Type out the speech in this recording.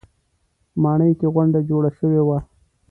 ماڼۍ کې غونډه جوړه شوې وه.